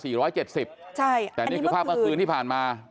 ใช่อันนี้เมื่อคืนแต่นี่คือภาพเมื่อคืนที่ผ่านมา